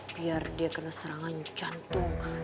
biar dia kena serangan jantung